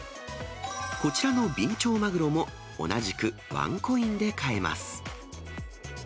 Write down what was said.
こちらのビンチョウマグロも同じくワンコインで買えます。